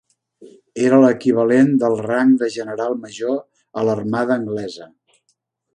Era l"equivalent del rang de general major a l"armada anglesa.